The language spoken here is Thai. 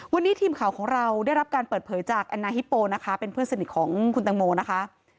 วันนี้ทีมข่าวของเราได้รับการเปิดเผยจากแอนนาฮิปโปนะคะเป็นเพื่อนสนิทของคุณตังโมนะคะ